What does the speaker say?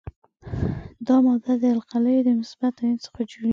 دا ماده د القلیو د مثبت آیون څخه جوړیږي.